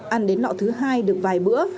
ăn đến lọ thứ hai được vài bữa